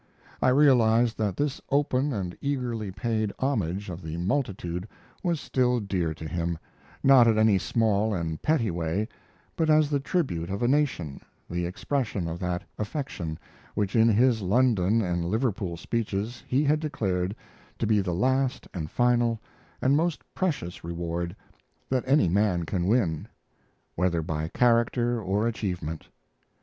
I realized that this open and eagerly paid homage of the multitude was still dear to him, not in any small and petty way, but as the tribute of a nation, the expression of that affection which in his London and Liverpool speeches he had declared to be the last and final and most precious reward that any man can win, whether by character or achievement.